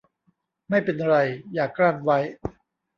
ไม่เป็นไรอย่ากลั้นไว้ !